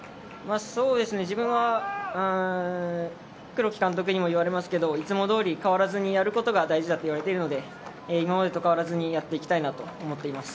自分は監督にも言われますけどいつもどおり変わらずにやることが大事だと思うので今までと変わらずにやっていきたいと思っています。